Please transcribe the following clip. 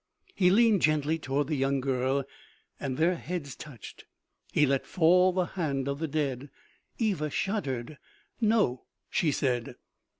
He leaned gently toward the young girl, and their heads touched. He let fall the hand of the dead. Eva shuddered. " No," she said.